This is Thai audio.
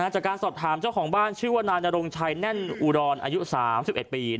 จากการสอบถามเจ้าของบ้านชื่อว่านายนรงชัยแน่นอุดรอายุ๓๑ปี